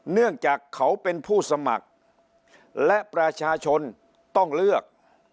เนื่องจากเขาเป็นผู้สมัครและประชาชนต้องเลือก